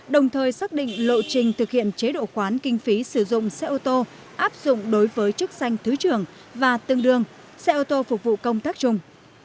định lộ trình thực hiện chế độ khoán kinh phí sử dụng xe ô tô áp dụng đối với chức sanh thứ trường và tương đương xe ô tô phục vụ công tác chung